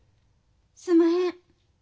すんまへん。